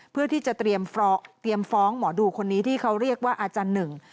เพื่อที่จะเตรียมฟ้องหมอดูคนนี้ที่เขาเรียกว่าอาจารย์หนึ่ง